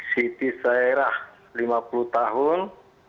siti sairah lima puluh tahun